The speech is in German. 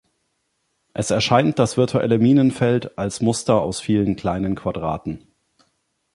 Es erscheint das virtuelle Minenfeld als Muster aus vielen kleinen Quadraten.